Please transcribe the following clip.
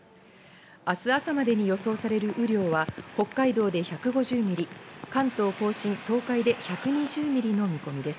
明日朝までに予想される雨量は北海道で１５０ミリ、関東甲信、東海で１２０ミリの見込みです。